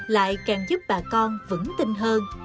lại càng giúp bà con vững tinh hơn